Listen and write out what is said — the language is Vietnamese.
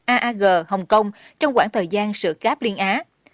aag hồng kông trong quãng thời gian sử cáp liên á